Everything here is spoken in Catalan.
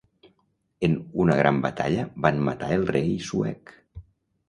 En una gran batalla van matar el rei suec.